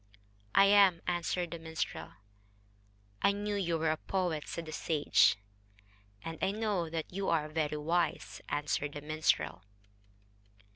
"I am," answered the minstrel. "I knew you were a poet," said the sage. "And I know that you are very wise," answered the minstrel.